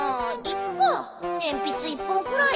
えんぴつ１ぽんくらい。